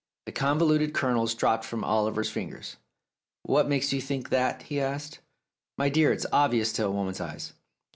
The convoluted kernels dropped from Oliver's fingers. "What makes you think that?" he asked. "My dear, it's obvious to a woman's eyes.